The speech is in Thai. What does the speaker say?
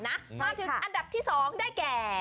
มาถึงอันดับที่๒ได้แก่